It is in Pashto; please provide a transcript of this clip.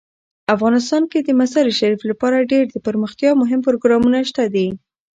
افغانستان کې د مزارشریف لپاره ډیر دپرمختیا مهم پروګرامونه شته دي.